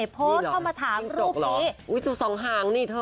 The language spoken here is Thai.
โพสต์เข้ามาถามรูปนี้